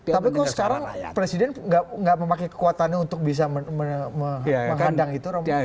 tapi kok sekarang presiden nggak memakai kekuatannya untuk bisa mengandang itu rombongan